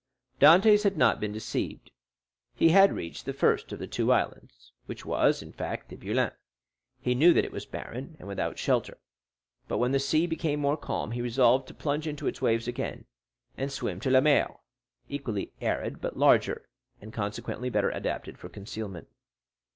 Dantès had not been deceived—he had reached the first of the two islands, which was, in fact, Tiboulen. He knew that it was barren and without shelter; but when the sea became more calm, he resolved to plunge into its waves again, and swim to Lemaire, equally arid, but larger, and consequently better adapted for concealment.